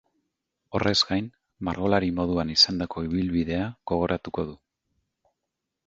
Horrez gain, margolari moduan izandako ibilbidea gogoratuko du.